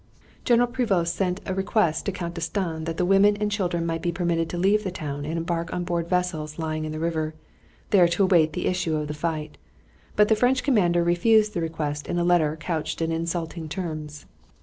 General Prevost sent in a request to Count D'Estaing that the women and children might be permitted to leave the town and embark on board vessels lying in the river, there to await the issue of the fight; but the French commander refused the request in a letter couched in insulting terms.